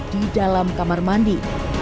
di dalam kamar mandi